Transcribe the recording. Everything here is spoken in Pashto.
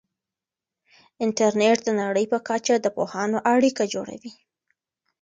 انټرنیټ د نړۍ په کچه د پوهانو اړیکه جوړوي.